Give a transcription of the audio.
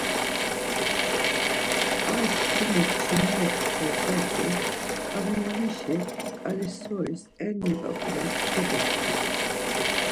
Ar, ti makçineri oxorcati ǩamiyonişi ǩalisoris enni ǩap̌ulas koduskidu.